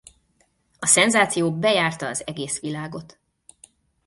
A szenzáció bejárta az egész világot.